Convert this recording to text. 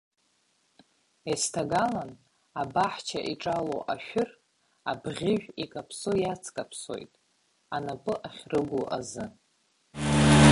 Ес-ҭагалан абаҳча иҿало ашәыр, абӷьыжә икаԥсо иацкаԥсоит, анапы ахьрыгу азы.